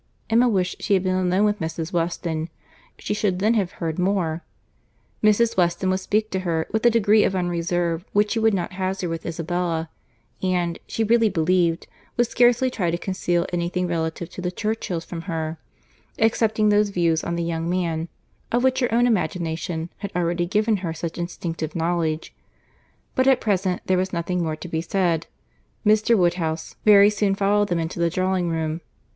Emma wished she had been alone with Mrs. Weston. She should then have heard more: Mrs. Weston would speak to her, with a degree of unreserve which she would not hazard with Isabella; and, she really believed, would scarcely try to conceal any thing relative to the Churchills from her, excepting those views on the young man, of which her own imagination had already given her such instinctive knowledge. But at present there was nothing more to be said. Mr. Woodhouse very soon followed them into the drawing room.